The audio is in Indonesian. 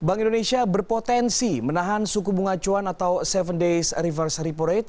bank indonesia berpotensi menahan suku bunga cuan atau tujuh days reverse repo rate